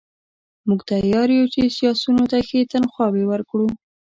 موږ تیار یو چې سیاسیونو ته ښې تنخواوې ورکړو.